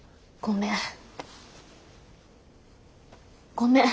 ごめん。